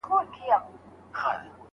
که چا په خپله خوښه نشه کړې وي، څه حکم لري؟